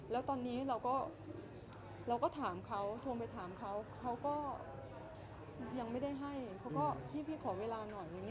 แล้วตอนนี้เราก็เราก็ถามเขาโทรไปถามเขาเขาก็ยังไม่ได้ให้เขาก็พี่ขอเวลาหน่อย